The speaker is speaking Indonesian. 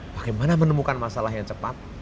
bagaimana menemukan masalah yang cepat